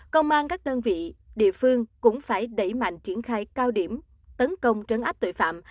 công an các đơn vị địa phương cũng phải đẩy mạnh triển khai cao điểm tấn công trấn áp tội phạm